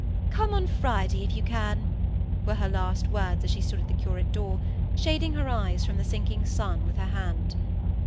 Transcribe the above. "Come on Friday, if you can," were her last words as she stood at the curate door, shading her eyes from the sinking sun with her hand.